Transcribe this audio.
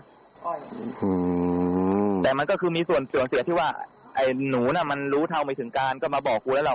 ใช่แต่มันก็คือมีส่วนเสียที่ว่าไอ้หนูน่ะมันรู้เท่าไม่ถึงการก็มาบอกกูแล้วล่ะ